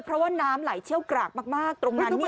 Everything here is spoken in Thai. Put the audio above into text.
เพราะว่าน้ำไหลเชี่ยวกรากมากตรงนั้น